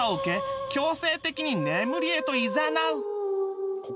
強制的に眠りへといざなう